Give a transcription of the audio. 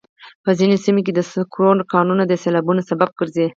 په ځینو سیمو کې د سکرو کانونه د سیلابونو سبب ګرځي.